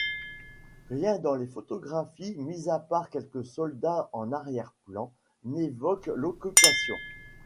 Rien dans les photographies, mis à part quelques soldats en arrière-plan, n'évoque l'occupation.